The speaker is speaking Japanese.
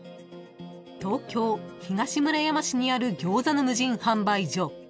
［東京東村山市にある餃子の無人販売所］